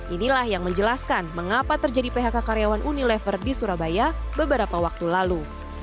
inilah yang menjelaskan mengapa terjadi phk karyawan unilever di surabaya beberapa waktu lalu